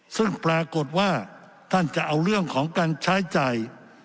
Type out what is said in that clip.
ซึ่งปรากฏว่าท่านจะเอาเรื่องของการใช้จ่าย